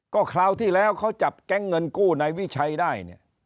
ก็คราวที่แล้วเขาจับแก๊งเงินกู้ในวิชัยได้เนี่ย